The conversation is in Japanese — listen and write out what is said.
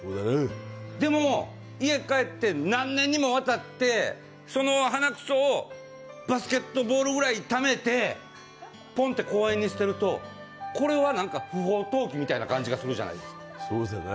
でも、家帰って何年にも渡ってその鼻くそをバスケットボールぐらいためてポンって公園に捨てると、不法投棄みたいな感じするじゃないですか。